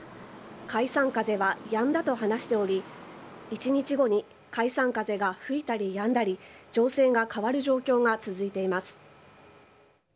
解散風はやんだと話しており、１日ごとに解散風が吹いたりやんだり、情勢が変わる状況が続いています。